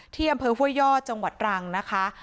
ที่อำเภอห้วยยอดจังหวัดรังนะคะ